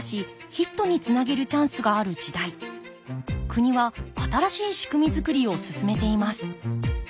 国は新しい仕組み作りを進めています。